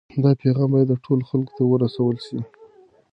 دا پیغام باید ټولو خلکو ته ورسول سي.